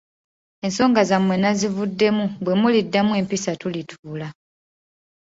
Ensonga zammwe nazivuddemu bwe muliddamu empisa tulituula.